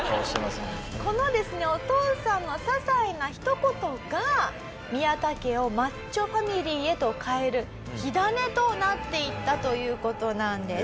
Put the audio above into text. このですねお父さんの些細なひと言がミヤタ家をマッチョファミリーへと変える火種となっていったという事なんです。